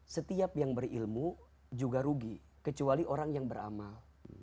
setiap yang berilmu juga rugi kecuali orang yang beramal